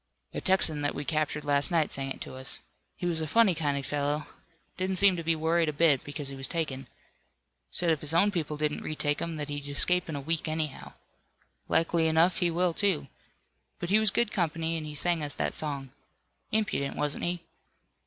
"A Texan that we captured last night sang it to us. He was a funny kind of fellow. Didn't seem to be worried a bit because he was taken. Said if his own people didn't retake him that he'd escape in a week, anyhow. Likely enough he will, too. But he was good company, and he sang us that song. Impudent, wasn't he?"